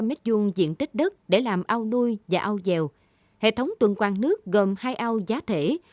mô hình này cần bốn năm trăm linh m hai diện tích đất để làm ao nuôi và ao dèo hệ thống tuần quan nước gồm hai ao giá thể